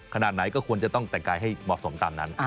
ขนาดไหนก็ควรจะต้องแต่งกายให้เหมาะสมตามนั้น